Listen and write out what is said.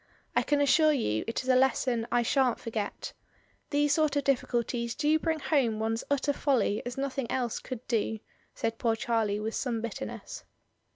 I can assure you it is a lesson I sha'n't forget. These sort of difficulties do bring home one's utter folly as no thing else could do," said poor Charlie with some bitterness.